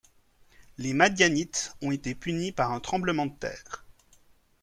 Les Madianites ont été punis par un tremblement de terre.